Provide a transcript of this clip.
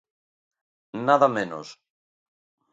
Nada menos.